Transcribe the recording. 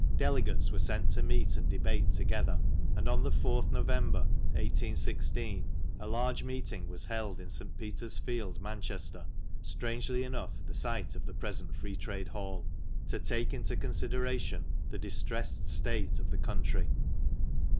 Delegates were sent to meet and debate together; and on the 4th November, 1816, a large meeting was held in St. Peter's Field, Manchester (strangely enough, the site of the present Free Trade Hall), "to take into consideration the distressed state of the country."